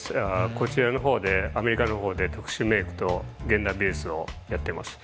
こちらのほうでアメリカのほうで特殊メイクと現代美術をやってます。